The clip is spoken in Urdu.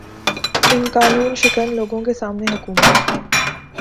ان قانوں شکن لوگوں کے سامنے حکومت